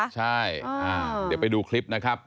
ใช่เดี๋ยวไปดูคลิปนะครับ